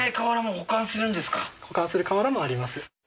保管する瓦もあります